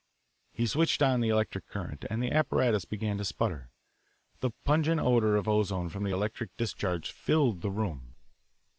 He switched on the electric current, and the apparatus began to sputter. The pungent odour of ozone from the electric discharge filled the room.